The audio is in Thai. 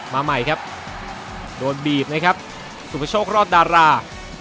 มาใหม่ครับโดนบีบนะครับสุประโชครอดดารา